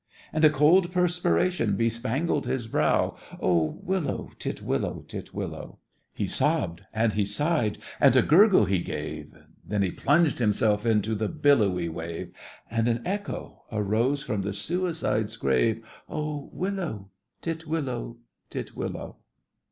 And a cold perspiration bespangled his brow, Oh, willow, titwillow, titwillow! He sobbed and he sighed, and a gurgle he gave, Then he plunged himself into the billowy wave, And an echo arose from the suicide's grave— "Oh, willow, titwillow, titwillow!"